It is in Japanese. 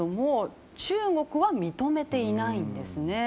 中国は認めていないんですね。